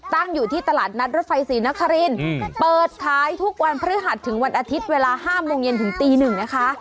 ตั้งอยู่ที่ตลาดนัดรถไฟศรีนครินเปิดขายทุกวันพฤหัสถึงวันอาทิตย์เวลา๕โมงเย็นถึงตีหนึ่งนะคะ